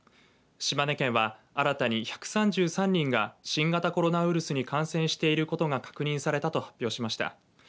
島根県は、新たに１３３人が新型コロナウイルスに感染していることが確認されたと発表しました。